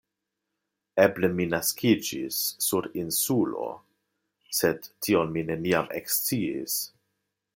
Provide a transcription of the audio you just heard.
Eble mi naskiĝis sur Insulo, sed tion mi neniam eksciis.